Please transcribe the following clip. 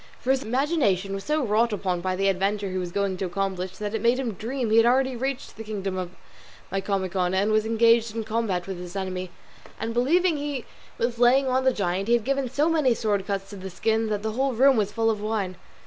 For his imagination was so wrought upon by the adventure he was going to accomplish, that it made him dream he had already reached the kingdom of Micomicon, and was engaged in combat with his enemy; and believing he was laying on the giant, he had given so many sword cuts to the skins that the whole room was full of wine.